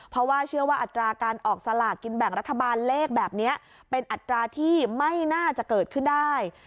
เพราะว่าเชื่อว่าอัตราการออกสลากกินแบ่งรัฐบาลเลขแบบนี้เป็นอัตราที่ไม่น่าจะเกิดขึ้นได้